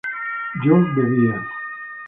yo bebía